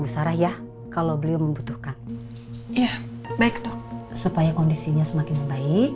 supaya kondisinya semakin baik